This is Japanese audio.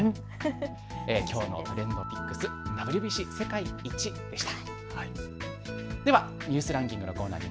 きょうのＴｒｅｎｄＰｉｃｋｓＷＢＣ世界一でした。